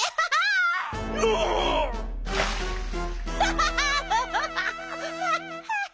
ハハハハハ！